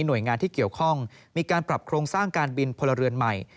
โดยงานที่เกี่ยวข้องมีการปรับโครงสร้างการบินพลเรือนใหม่